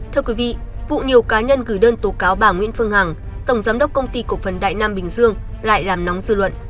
thưa quý vị vụ nhiều cá nhân gửi đơn tố cáo bà nguyễn phương hằng tổng giám đốc công ty cổ phần đại nam bình dương lại làm nóng dư luận